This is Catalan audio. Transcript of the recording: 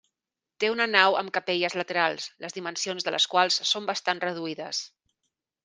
Té una nau amb capelles laterals, les dimensions de les quals són bastant reduïdes.